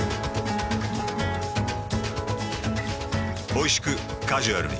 おいしくカジュアルに。